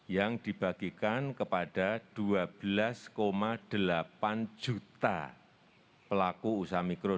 yang dibagikan kepada dua belas delapan triliun rupiah